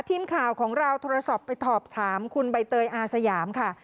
ทีมข่าวของเราโทรศัพท์ไปสอบถามคุณใบเตยอาสยามค่ะ